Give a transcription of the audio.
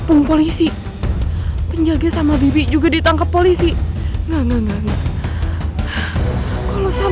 om gimana om keadaannya om